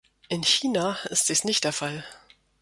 In China ist dies nicht der Fall.